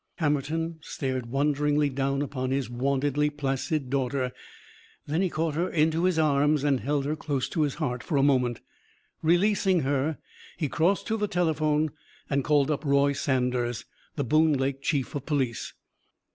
Hammerton stared wonderingly down upon his wontedly placid daughter. Then he caught her into his arms and held her close to his heart for a moment. Releasing her, he crossed to the telephone and called up Roy Saunders, the Boone Lake chief of police.